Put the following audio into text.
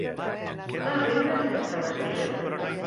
Va riure sense alegria.